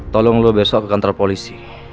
tolong dulu besok ke kantor polisi